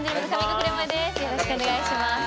よろしくお願いします。